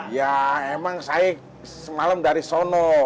ya emang saya semalam dari sono